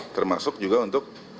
termasuk juga untuk